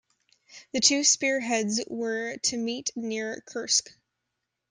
The two spearheads were to meet near Kursk.